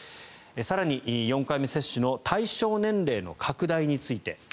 更に４回目接種の対象年齢の拡大について。